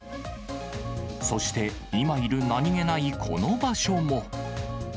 そして、今いる何気ないこの場所も。